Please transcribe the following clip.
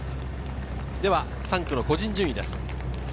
３区の個人順位です。